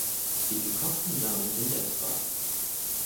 Die gekochten Samen sind essbar.